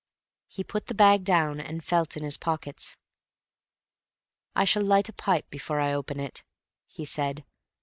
He put the bag down and felt in his pockets. "I shall light a pipe before I open it," he said.